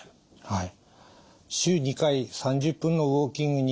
はい。